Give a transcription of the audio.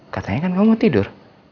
katanya kan kamu mau tidur